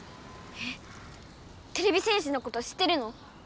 えってれび戦士のこと知ってるの？